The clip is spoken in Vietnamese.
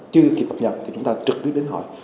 chưa kịp đập nhập thì chúng ta trực tiếp đến hỏi